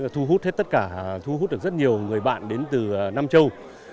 thu hút hết tất cả thu hút được rất nhiều người bạn đến từ nam châu